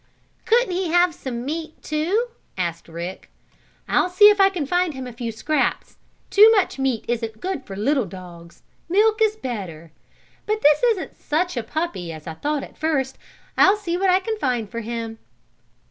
"Couldn't he have some meat, too?" asked Rick. "I'll see if I can find him a few scraps. Too much meat isn't good for little dogs. Milk is better. But this isn't such a puppy as I thought at first. I'll see what I can find for him."